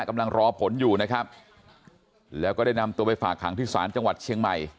กำลังรอผลอยู่นะครับแล้วก็ได้นำตัวไปฝากขังที่ศาลจังหวัดเชียงใหม่